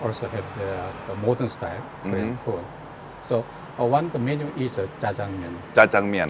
เราพยายามทำความรู้สึกจริงของกิน